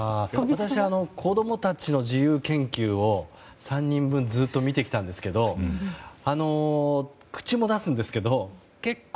私は子供たちの自由研究を３人分ずっと見てきたんですけど口も出すんですけど結構